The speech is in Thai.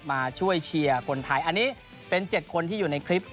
มาช่วยเชียร์คนไทยอันนี้เป็น๗คนที่อยู่ในคลิป